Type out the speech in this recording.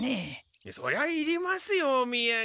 そりゃいりますよおみやげ。